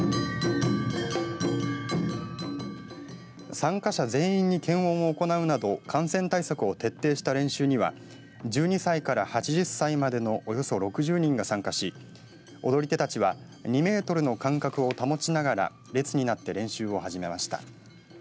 参加者全員に検温を行うなど感染対策を徹底した練習には１２歳から８０歳までのおよそ６０人が参加し踊り手たちは２メートルの間隔を保ちながら列になって練習を始めました。